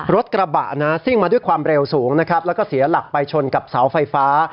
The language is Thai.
รถกระบะนะซิ่งมาด้วยความเร็วสูงนะครับแล้วก็เสียหลักไปชนกับเสาไฟฟ้า